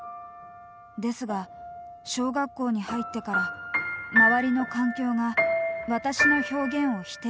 ですが小学校に入ってから周りの環境が私の表現を否定してきました」。